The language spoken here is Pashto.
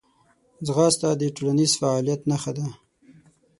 ځغاسته د ټولنیز فعالیت نښه ده